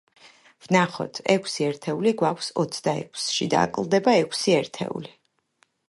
ვნახოთ. ექვსი ერთეული გვაქვს ოცდაექვსში და აკლდება ექვსი ერთეული.